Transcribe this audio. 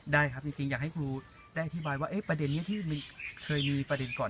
ได้ครับจริงอยากให้ครูได้อธิบายว่าประเด็นนี้ที่เคยมีประเด็นก่อน